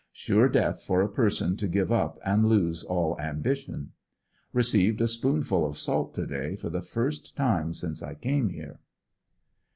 Sure death for a person to give up and lose all ambition Received a spoonful of salt to day for the first time since I came here.